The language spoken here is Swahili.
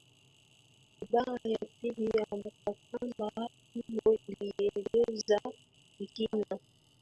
ibara ya pili ya mkataba huo ilieleza kwa kina